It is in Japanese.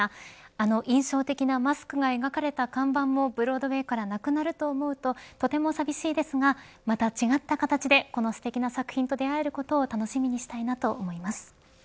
あの印象的なマスクが描かれた看板も、ブロードウェーからなくなると思うととてもさびしいですがまた違った形でこのすてきな作品と出会えることを楽しみにしたいなと思います。